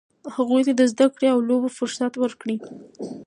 هغوی ته د زده کړې او لوبو فرصت ورکړئ.